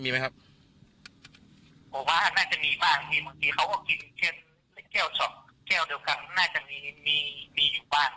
มันเหมือนแบบบนผู้ป่วยอะไรลูกค้าเขาเลยเหมือนกังวลเขาเลยกลัวใส่พนักงานด้านบริการของผม